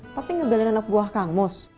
tapi nggak belanja anak buah kamu mus